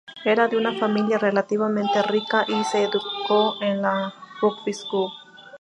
Era de una familia relativamente rica, y se educó en la Rugby School.